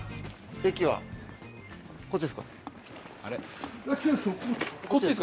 駅はこっちですか？